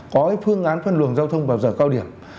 có phương án phân luồng giao thông vào giờ cao điểm